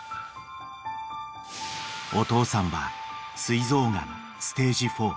［お父さんは膵臓がんステージ４］